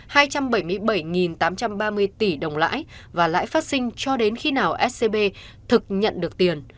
hơn một tám trăm ba mươi tỷ đồng lãi và lãi phát sinh cho đến khi nào scb thực nhận được tiền